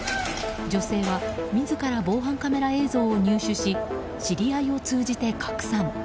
女性は自ら防犯カメラ映像を入手し知り合いを通じて拡散。